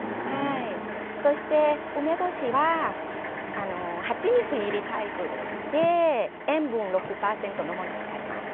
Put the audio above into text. そして、梅干しは蜂蜜入りタイプで塩分は６％のものを使います。